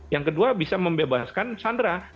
yang kedua bisa membebaskan sandra